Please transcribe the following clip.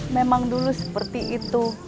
memang dulu seperti itu